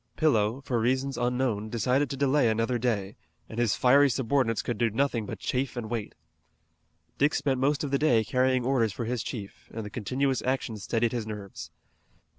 Pillow, for reasons unknown, decided to delay another day, and his fiery subordinates could do nothing but chafe and wait. Dick spent most of the day carrying orders for his chief, and the continuous action steadied his nerves.